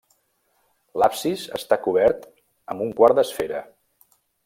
L'absis està cobert amb un quart d'esfera.